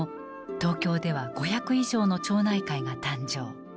東京では５００以上の町内会が誕生。